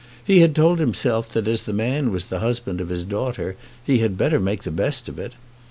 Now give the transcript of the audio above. He had told himself that as the man was the husband of his daughter he had better make the best of it.